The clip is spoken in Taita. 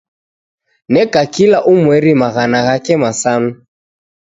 Neka kila umweri maghana ghake masanu.